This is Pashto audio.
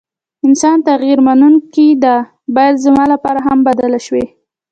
انسان تغير منونکي ده ، بايد زما لپاره هم بدله شوې ،